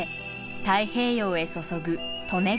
太平洋へ注ぐ利根川。